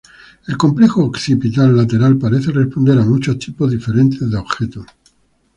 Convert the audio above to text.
El complejo occipital lateral parece responder a muchos tipos diferentes de objetos.